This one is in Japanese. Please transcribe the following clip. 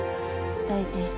大臣。